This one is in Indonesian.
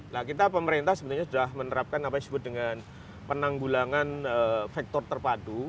nah kita pemerintah sebenarnya sudah menerapkan apa yang disebut dengan penanggulangan faktor terpadu